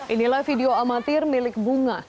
inilah video amatir milik bunga